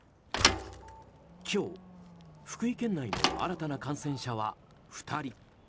今日、福井県内の新たな感染者は２人。